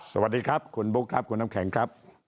สวัสดีครับคุณบุ๊คครับคุณน้ำแข็งครับ